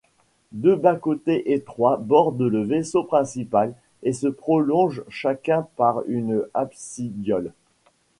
Deux bas-côtés étroits bordent le vaisseau principal et se prolongent chacun par une absidiole.